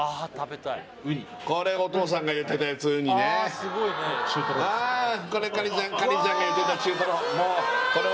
・ウニお父さんが言ってたやつウニね・